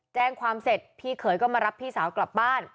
แจ้งความเสร็จพี่เขยก็มารับพี่สาวกลับบ้าน